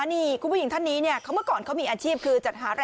นี่คุณผู้หญิงท่านนี้เนี่ยเขาเมื่อก่อนเขามีอาชีพคือจัดหาอะไร